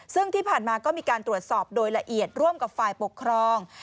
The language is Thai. ซึ่งที่ผ่านมาก็มีการตรวจสอบโดยละเอียดร่วมกับฝ่ายปกครอง